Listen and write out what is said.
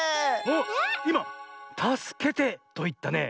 いま「たすけて」といったね。